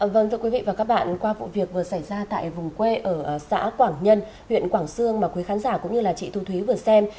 vâng thưa quý vị và các bạn qua vụ việc vừa xảy ra tại vùng quê ở xã quảng nhân huyện quảng sương mà quý khán giả cũng như là chị thu thúy vừa xem